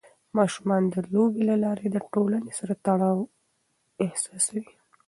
ماشومان د لوبو له لارې د ټولنې سره تړاو احساسوي.